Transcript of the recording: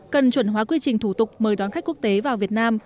cần chuẩn hóa quy trình thủ tục mời đón khách quốc tế vào việt nam